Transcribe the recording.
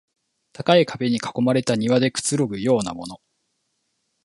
高い壁に囲まれた庭でくつろぐようなもの